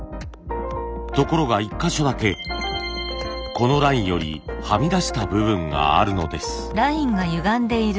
ところが１か所だけこのラインよりはみ出した部分があるのです。